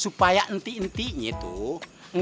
supaya inti intinya tuh